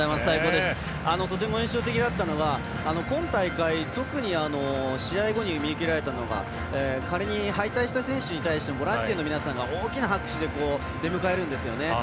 とても印象的だったのは今大会、特に試合後に見受けられたのが仮に敗退した選手に対してもボランティアの皆さんが大きな拍手で出迎えるんですよね。